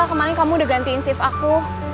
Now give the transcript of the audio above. kemarin kamu udah gantiin shift aku